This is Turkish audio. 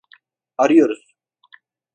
Arıyoruz.